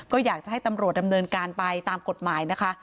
ก็อยากจะให้ตำรวจดำเนินการไปตามกฎหมายนะคะ